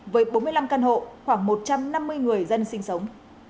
với bốn mươi năm căn hộ khoảng một trăm năm mươi người dân sinh sống